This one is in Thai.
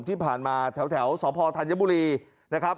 ที่ผ่านมาแถวสพธัญบุรีนะครับ